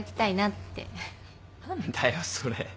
何だよそれ。